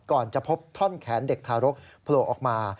ก่อนจะพบท่อนแขนเด็กทารกโผล่ออกมา